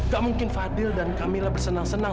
gak mungkin padil dan kamila bersenang senang